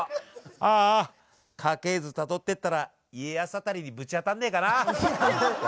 ああ家系図たどってったら家康あたりにぶち当たんねえかなあ。